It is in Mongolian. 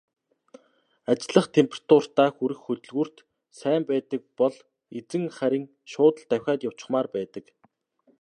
Ажиллах температуртаа хүрэх хөдөлгүүрт сайн байдаг бол эзэн харин шууд л давхиад явчихмаар байдаг.